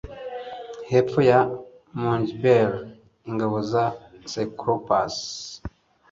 hepfo ya Mongibel ingabo za cyclops